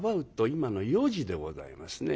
今の４時でございますね。